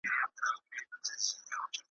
زما د حُسن له بغداده رنګین سوي دي نکلونه `